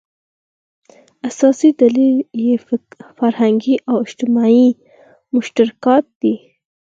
اساسي دلیل یې فرهنګي او اجتماعي مشترکات دي.